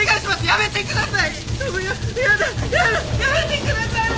やめてください！